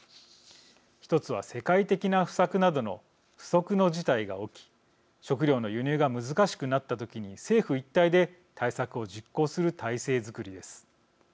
１つは世界的な不作などの不測の事態が起き食料の輸入が難しくなった時に政府一体で対策を実行する体制づくりです。